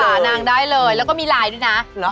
หานางได้เลยแล้วก็มีไลน์ด้วยนะ